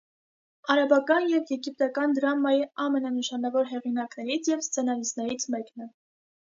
Արաբական և եգիպտական դրամայի ամենանշանավոր հեղինակներից և սցենարիստներից մեկն է։